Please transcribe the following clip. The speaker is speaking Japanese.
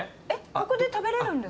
ここで食べれるんですか？